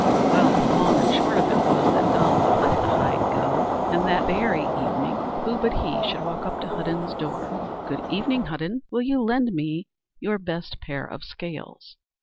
Well, the long and the short of it was that Donald let the hide go, and, that very evening, who but he should walk up to Hudden's door? "Good evening, Hudden. Will you lend me your best pair of scales?"